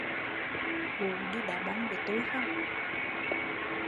Cụ đi đá banh với tui không